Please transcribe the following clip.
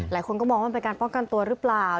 หลายคนก็มองว่ามันเป็นการป้องกันตัวหรือเปล่า